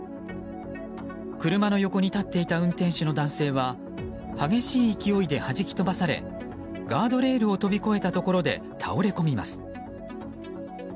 車の横に立っていた運転手の男性は激しい勢いではじき飛ばされガードレールを飛び越えたところで倒れ込みます。